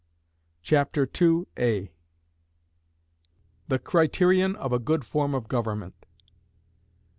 Chapter II The Criterion of a Good Form of Government.